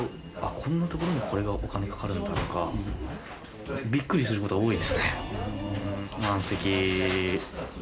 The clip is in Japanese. こんなところにこれがお金かかるんだとかびっくりすることが多いですね。